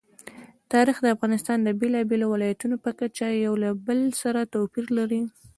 تاریخ د افغانستان د بېلابېلو ولایاتو په کچه یو له بل سره توپیر لري.